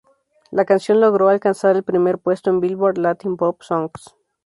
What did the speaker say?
La canción logró alcanzar el primer puesto en Billboard Latin Pop Songs.